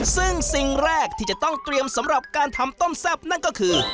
ซึ่งสิ่งแรกที่จะต้องเตรียมสำหรับการทำต้มแซ่บนั่นก็คือ